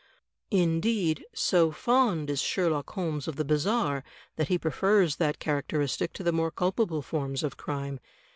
Indeed, so fond is Sherlock Holmes of the bizarre that he prefers that characteristic to the more culpable forms of crime.